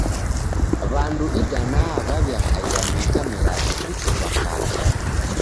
W'andu idanaa w'aw'iakaia miaka milazi kuchumba kala.